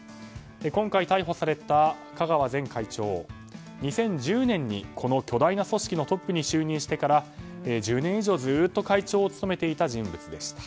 今回逮捕された香川前会長２０１０年にこの巨大な組織のトップに就任してから１０年以上ずっと会長を務めていた人物でした。